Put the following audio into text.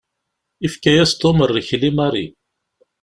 Yefka-yas Tom rrkel i Mary.